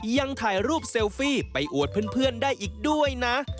ยังถ่ายรูปเซลฟี่ไปอวดเพื่อนได้อีกด้วยนะ